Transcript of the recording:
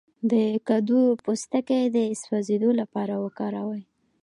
د کدو پوستکی د سوځیدو لپاره وکاروئ